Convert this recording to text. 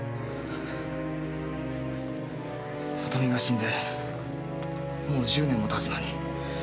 里美が死んでもう１０年も経つのに。